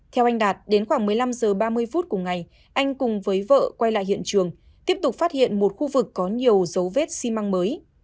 theo anh đạt đến khoảng một mươi năm h ba mươi phút cùng ngày anh cùng với vợ quay lại hiện trường tiếp tục phát hiện một khu vực có nhiều dấu vết xi măng mới